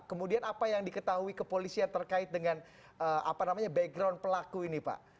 kemudian apa yang diketahui kepolisian terkait dengan background pelaku ini pak